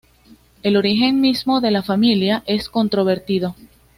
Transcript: El origen mismo de la familia es controvertido.